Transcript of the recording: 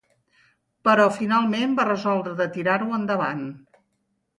Però finalment va resoldre de tirar-ho endavant.